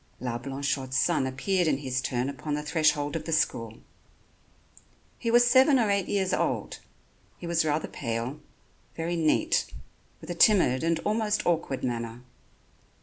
La Blanchotte's son appeared in his turn upon the threshold of the school. He was seven or eight years old. He was rather pale, very neat, with a timid and almost awkward manner.